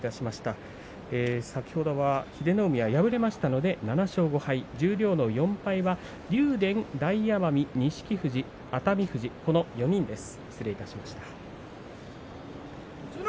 先ほど、英乃海敗れましたので７勝５敗で十両４敗は竜電、大奄美錦富士、熱海富士この４人です。